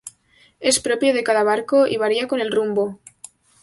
Es propio de cada barco, y varía con el rumbo.